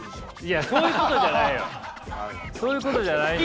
いやそういうことじゃないよ。